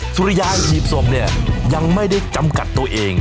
สุริยาหีบศพเนี่ยยังไม่ได้จำกัดตัวเอง